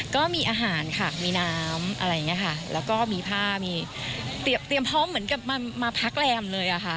ก็มีอาหารค่ะมีน้ำอะไรอย่างนี้ค่ะแล้วก็มีผ้ามีเตรียมพร้อมเหมือนกับมาพักแรมเลยอะค่ะ